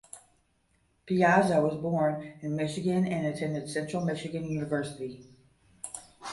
Piazza was born in Michigan and attended Central Michigan University.